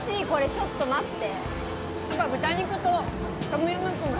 ちょっと待って。